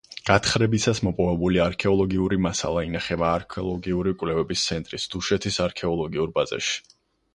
გათხრებისას მოპოვებული არქეოლოგიური მასალა ინახება არქეოლოგიური კვლევების ცენტრის დუშეთის არქეოლოგიურ ბაზაში.